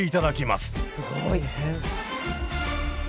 すごい。大変。